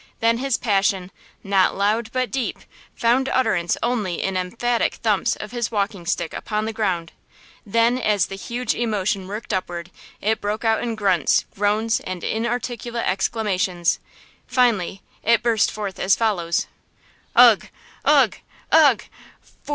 Then his passion, "not loud but deep," found utterance only in emphatic thumps of his walking stick upon the ground! Then, as the huge emotion worked upward, it broke out in grunts, groans and inarticulate exclamations! Finally it burst forth as follows: "Ugh! ugh! ugh!